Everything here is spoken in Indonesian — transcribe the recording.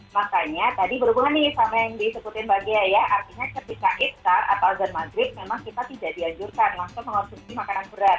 makanya tadi berhubungan nih sama yang disebutin mbak ghea ya artinya ketika istar atau azan maghrib memang kita tidak dianjurkan langsung mengonsumsi makanan berat